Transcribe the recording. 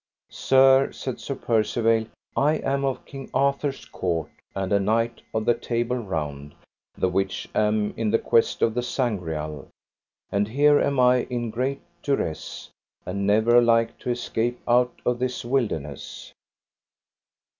Sir, said Sir Percivale, I am of King Arthur's court, and a knight of the Table Round, the which am in the quest of the Sangreal; and here am I in great duresse, and never like to escape out of this wilderness.